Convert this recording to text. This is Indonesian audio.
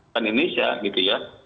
kan indonesia gitu ya